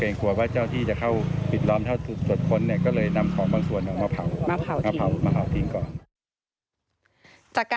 นายวันรอบค่ะ